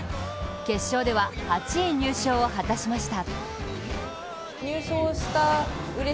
決勝では８位入賞を果たしました。